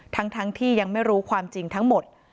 ทั้งที่ยังไม่รู้ความจริงทั้งหมด